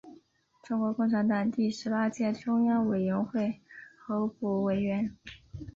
中国共产党第十八届中央委员会候补委员。